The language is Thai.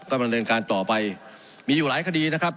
ก็มันเรียนการต่อไปมีอยู่หลายคดีนะครับ